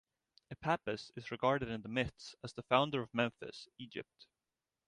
Epaphus is regarded in the myths as the founder of Memphis, Egypt.